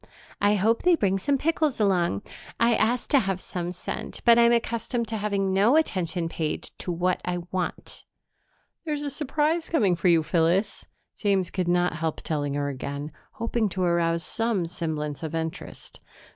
"I hope they bring some pickles along. I asked to have some sent, but I'm accustomed to having no attention paid to what I want." "There's a surprise coming for you, Phyllis," James could not help telling her again, hoping to arouse some semblance of interest.